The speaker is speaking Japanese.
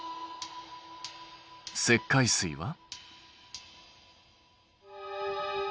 石灰水は？